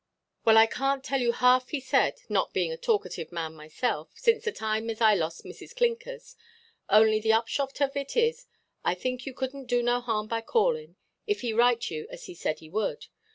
Well, I canʼt tell you half he said, not being a talkative man myself, since the time as I lost Mrs. Clinkers. Only the upshot of it is, I think you couldnʼt do no harm by callinʼ, if he write you as he said he would.